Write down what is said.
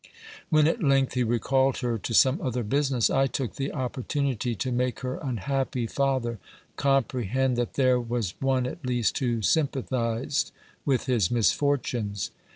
When at length he recalled her to some other 122 OBERMANN business, I took the opportunity to make her unhappy father comprehend that there was one at least who sym pathised with his misfortunes.